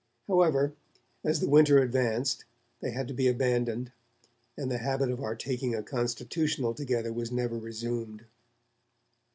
However, as the winter advanced, they had to be abandoned, and the habit of our taking a 'constitutional' together was never resumed.